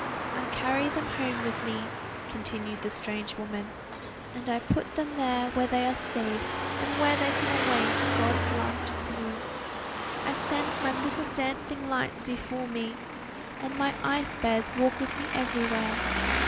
"I carry them home with me," continued the strange woman, "and I put them there where they are safe, and where they can await God's last call. I send my little dancing lights before me, and my ice bears walk with me everywhere.